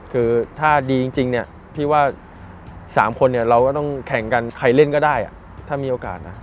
คือถ้าดีจริงเนี่ยพี่ว่า๓คนเนี่ยเราก็ต้องแข่งกันใครเล่นก็ได้ถ้ามีโอกาสนะ